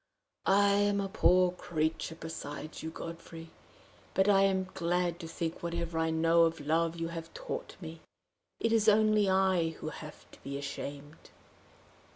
I am a poor creature beside you, Godfrey, but I am glad to think whatever I know of love you have taught me. It is only I who have to be ashamed!"